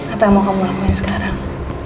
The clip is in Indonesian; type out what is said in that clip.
apa yang mau kamu lakukan sekarang